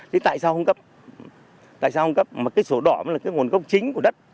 thế tại sao không cấp tại sao ông cấp một cái sổ đỏ mới là cái nguồn gốc chính của đất